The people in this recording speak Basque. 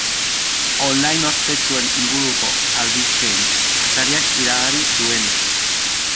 Online ospetsuen inguruko albisteen atariak iragarri duenez.